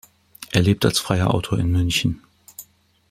Er lebt als freier Autor in München.